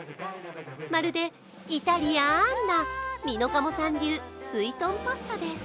まるでイタリアンなｍｉｎｏｋａｍｏさん流すいとんパスタです。